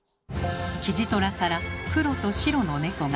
キジトラから黒と白の猫が。